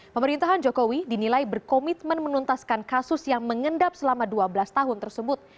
pemerintahan jokowi dinilai berkomitmen menuntaskan kasus yang mengendap selama dua belas tahun tersebut